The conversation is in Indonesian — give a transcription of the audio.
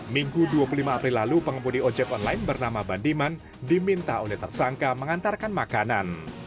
minggu dua puluh lima april lalu pengembudi ojek online bernama bandiman diminta oleh tersangka mengantarkan makanan